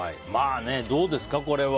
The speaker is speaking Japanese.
どうですか、これは。